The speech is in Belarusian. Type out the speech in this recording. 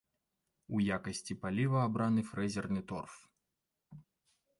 У якасці паліва абраны фрэзерны торф.